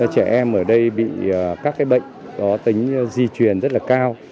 trẻ em ở đây bị các bệnh có tính di truyền rất là cao